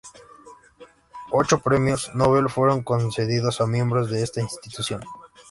Ocho Premios Nobel fueron concedidos a miembros de esta institución.